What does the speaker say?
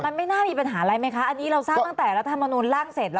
อันนี้เราทราบตั้งแต่รัฐธรรมนูลล่างเสร็จ